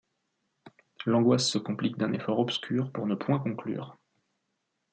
L’angoisse se complique d’un effort obscur pour ne point conclure.